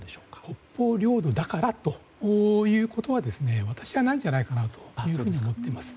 北方領土だからということは私はないんじゃないかなというふうに思っています。